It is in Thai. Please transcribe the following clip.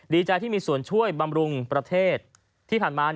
ดีใจที่มีส่วนช่วยบำรุงประเทศที่ผ่านมา